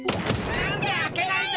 なんで開けないピ？